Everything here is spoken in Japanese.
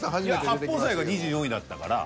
八宝菜が２４位だったから。